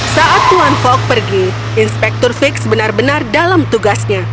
saat tuan fog pergi inspektur fix benar benar dalam tugasnya